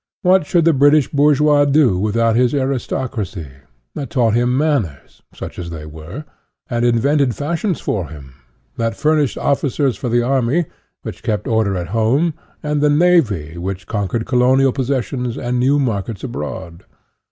What should the British bourgeois do without his aristocracy, that taught him manners, such as they were, and invented fashions for him that furnished officers for the army, which kept order at home, and the navy, 34 INTRODUCTION which conquered colonial possessions and new markets abroad?